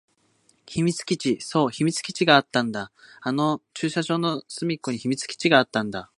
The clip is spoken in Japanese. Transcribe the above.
秘密基地。そう、秘密基地があったんだ。あの駐車場の隅っこに秘密基地があったんだ。